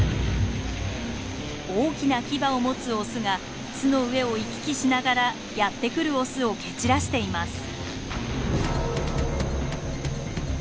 大きなキバを持つオスが巣の上を行き来しながらやってくるオスを蹴散らしています。